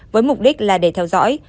với mục đích là để theo dõi